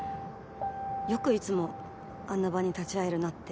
よくいつもあんな場に立ち会えるなって。